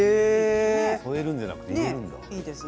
添えるんじゃなくて入れるんだ。